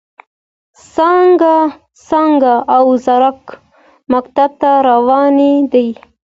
څانګه او زرکه مکتب ته روانې دي.